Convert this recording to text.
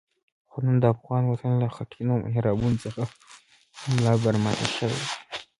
خو نن د افغان وطن له خټینو محرابونو څخه ملا برمته شوی.